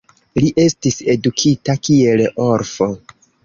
Li estis edukita kiel orfo.